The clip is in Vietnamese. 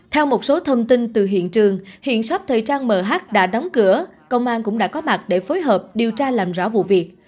theo một số thông tin từ hiện trường hiện shop thời trang mh đã đóng cửa công an cũng đã có mặt để phối hợp điều tra làm rõ vụ việc